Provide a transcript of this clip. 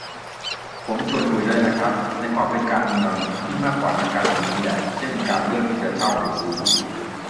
ผมว่าชวนคุยได้นะครับ ในความเป็นการเมือง ที่มากกว่านักการเมือง นี่แหละ เช่น การเลือกที่จะเช่าหรือซื้อ